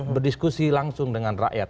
berdiskusi langsung dengan rakyat